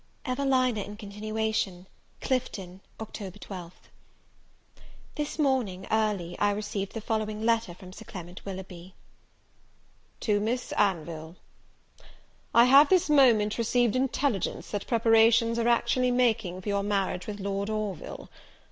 EVELINA IN CONTINUATION. Clifton, Oct. 12th. THIS morning, early, I received the following letter from Sir Clement Willoughby: "To Miss Anville. "I HAVE this moment received intelligence that preparations are actually making for your marriage with Lord Orville.